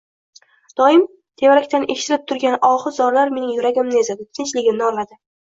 doim tevarakdan eshitilib turgan ohu zorlar mening yuragimni ezadi, tinchligimni oladi.